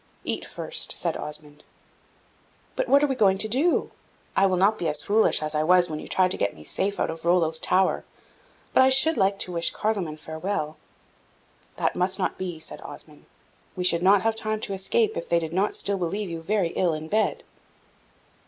"Eat first," said Osmond. "But what are you going to do? I will not be as foolish as I was when you tried to get me safe out of Rollo's tower. But I should like to wish Carloman farewell." "That must not be," said Osmond; "we should not have time to escape, if they did not still believe you very ill in bed."